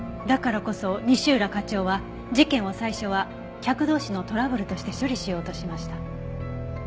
だからこそ西浦課長は事件を最初は客同士のトラブルとして処理しようとしました。